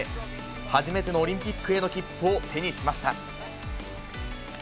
初めてのオリンピックへの切符を手にしました。